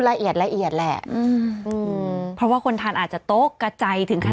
ดีน่ะกินของออร์แกนิคก็สงสารผู้ประกอบการไม่อยากไปซ้ำเติมอะไรแข็งแด๋ว